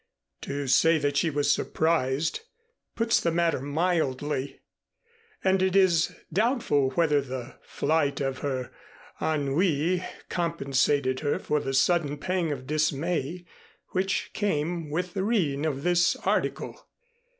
To say that she was surprised puts the matter mildly, and it is doubtful whether the flight of her ennui compensated her for the sudden pang of dismay which came with the reading of this article.